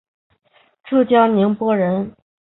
浙江宁波人。